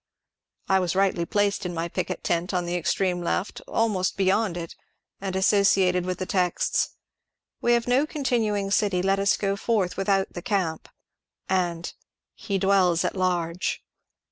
" I was rightly placed in mj picket tent on the extreme left, almost beyond it, and associated with the texts :^^ We have no continuing ciiy ; let us go forth without the camp,'' and *^ He dwells at large."